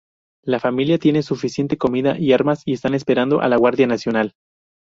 La familia tiene suficiente comida y armas y están esperando a la Guardia Nacional.